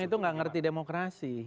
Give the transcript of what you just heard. orang itu tidak mengerti demokrasi